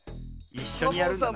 いっしょにやるんだな。